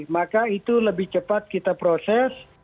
maka itu lebih cepat kita proses